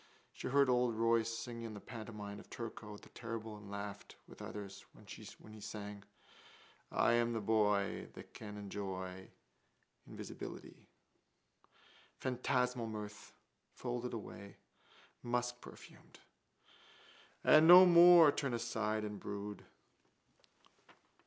She heard old Royce sing in the pantomime of Turko the Terrible and laughed with others when he sang: I am the boy That can enjoy Invisibility. Phantasmal mirth, folded away: muskperfumed. And no more turn aside and brood.